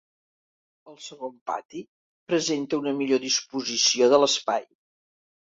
Al segon pati presenta una millor disposició de l'espai.